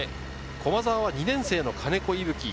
駒澤は２年生の金子伊吹。